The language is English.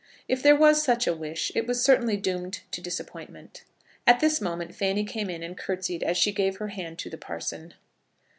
If there was such a wish it was certainly doomed to disappointment. At this moment Fanny came in and curtseyed as she gave her hand to the parson.